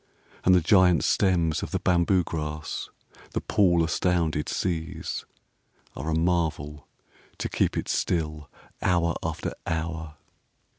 And the giant stems of the bamboo grass, the pool astounded, sees, Are a marvel to keep it still hour after hour.